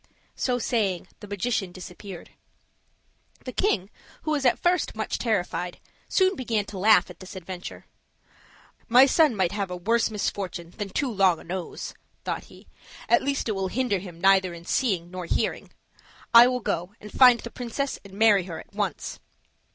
So saying the magician disappeared. The king, who was at first much terrified, soon began to laugh at this adventure. "My son might have a worse misfortune than too long a nose," thought he. "At least it will hinder him neither in seeing nor hearing. I will go and find the princess and marry her at once."